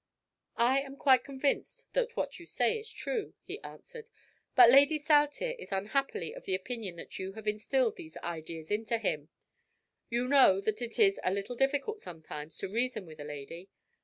"I am quite convinced that what you say is true," he answered; "but Lady Saltire is unhappily of the opinion that you have instilled these ideas into him. You know that it is a little difficult sometimes to reason with a lady.